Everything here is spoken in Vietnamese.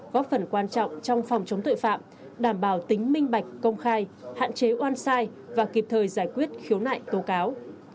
góp phần quan trọng trong phòng chống tội phạm đảm bảo tính minh bạch công khai hạn chế oan sai và kịp thời giải quyết khiếu nại tố cáo